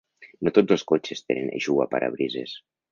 No tots els cotxes tenen eixugaparabrises.